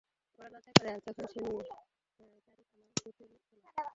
বড় লজ্জা করে যখন শুনি যারীদ আমার গোত্রের লোক ছিল।